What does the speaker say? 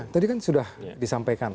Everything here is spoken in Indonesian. tadi kan sudah disampaikan